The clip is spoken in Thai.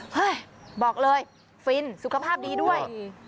เฮ้ยบอกเลยฟินสุขภาพดีด้วย